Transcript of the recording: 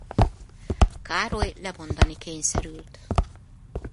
Károly lemondani kényszerült.